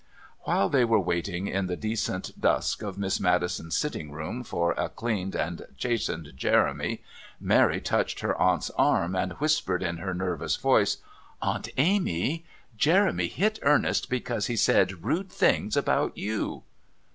While they were waiting in the decent dusk of Miss Maddison's sitting room for a cleaned and chastened Jeremy, Mary touched her aunt's arm and whispered in her nervous voice: "Aunt Amy Jeremy hit Ernest because he said rude things about you."